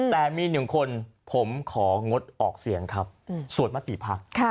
แต่มี๑คนผมของงดออกเสียงครับสวดมติภักดิ์